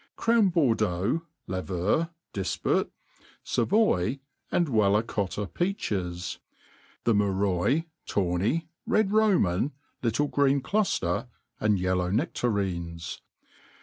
Crown fiourdeaux, lavur, difput, favoy and wallacotta peaches ; the muroy, tawny, red iloman, little green clufier, and yellow nedarines.